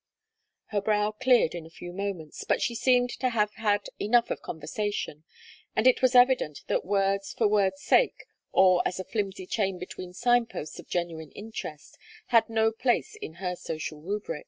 Her brow cleared in a few moments, but she seemed to have had enough of conversation, and it was evident that words for words' sake, or as a flimsy chain between signposts of genuine interest, had no place in her social rubric.